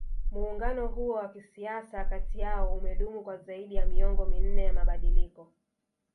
Muungano huo wa kisiasa kati yao umedumu kwa zaidi ya miongo minne ya mabadiliko